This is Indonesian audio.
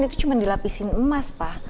itu cuma dilapisin emas pak